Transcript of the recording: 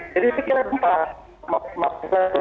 jadi saya kira tempat